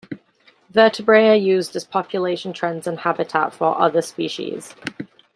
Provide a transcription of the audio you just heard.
Vertebrate are used as population trends and habitat for other species.